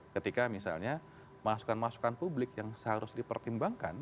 ketika misalnya masukan masukan publik yang seharusnya dipertimbangkan